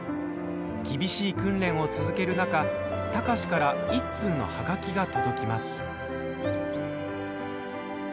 厳しい訓練を続ける中、貴司から一通のはがきが届きます。